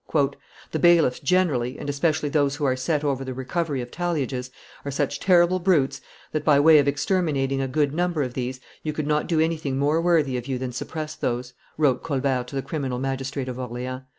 "The bailiffs generally, and especially those who are set over the recovery of talliages, are such terrible brutes that, by way of exterminating a good number of these, you could not do anything more worthy of you than suppress those," wrote Colbert to the criminal magistrate of Orleans.